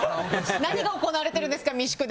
何が行われているんですか三宿で。